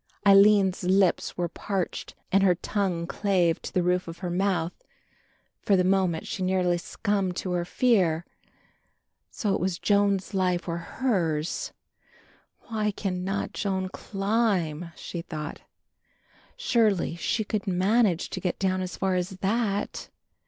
Aline's lips were parched and her tongue clave to the roof of her mouth; for the moment she nearly succumbed to her fear. So it was Joan's life or hers? "Why cannot Joan climb?" she thought. Surely she could manage to get down as far as that?